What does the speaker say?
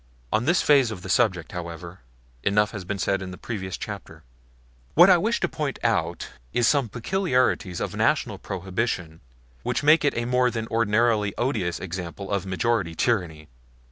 On this phase of the subject, however, enough has been said in a previous chapter. What I wish to point out at present is some peculiarities of National Prohibition which make it a more than ordinarily odious example of majority tyranny.